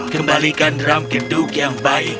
kembalikan drum keduk yang baik